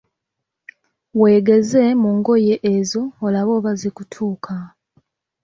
Weegeze mu ngoye ezo olabe oba zikutuuka.